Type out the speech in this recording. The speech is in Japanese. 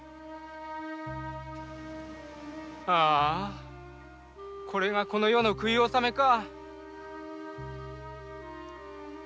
ああこれがこの世の食いおさめか。